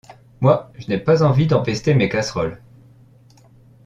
Moi, je n’ai pas envie d’empester mes casseroles. ..